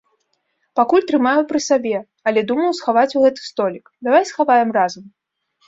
Пакуль трымаю пры сабе, але думаю схаваць у гэты столік, давай схаваем разам.